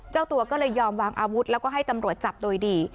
เจ้าตัวก็เลยยอมวางอาวุธแล้วก็ให้ตำรวจจับโดยดี